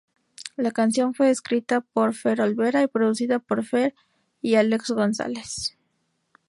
La canción fue escrita por Fher Olvera y producida por Fher y Álex González.